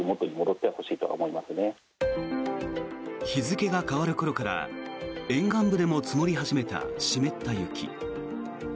日付が変わる頃から沿岸部でも積もり始めた湿った雪。